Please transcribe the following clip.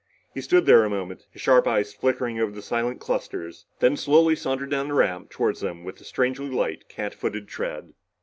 He stood there a moment, his sharp eyes flicking over the silent clusters, then slowly sauntered down the ramp toward them with a strangely light, catfooted tread.